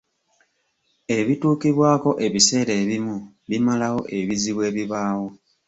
Ebituukibwako ebiseera ebimu bimalawo ebizibu ebibaawo.